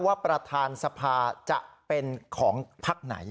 ว่าประทานสภาจะเป็นของภักดิ์ไหน